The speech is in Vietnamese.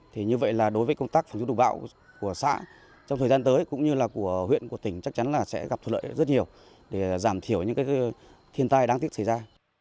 thì như vậy là đối với công tác phòng chống đủ bão của xã trong thời gian tới cũng như là của huyện của tỉnh chắc chắn là sẽ gặp thuận lợi rất nhiều để giảm thiểu những cái thiên tai đáng tiếc xảy ra